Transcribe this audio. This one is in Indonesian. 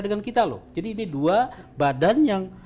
dengan kita loh jadi ini dua badan yang